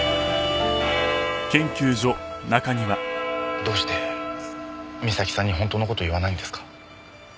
どうして美咲さんに本当の事を言わないんですか？